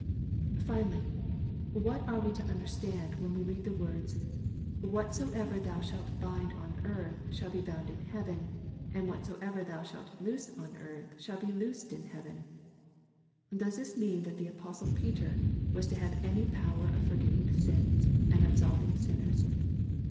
Finally, what are we to understand, when we read the words, " Whatsoever thou shalt bind on earth shall be bound in heaven, and whatsoever thou shalt loose on earth shall be loosed in heaven ?*' Does this mean that the apostle Peter was to have any power of forgiving sins, and absolving sinners